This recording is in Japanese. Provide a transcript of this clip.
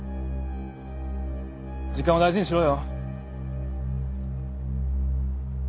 時間を大事にしろよ。